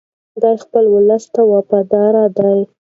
دی خپل ولس ته وفادار دی.